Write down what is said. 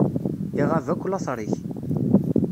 Iɣab akk later-ik.